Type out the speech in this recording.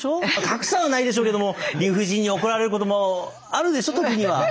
賀来さんはないでしょうけども理不尽に怒られることもあるでしょう時には。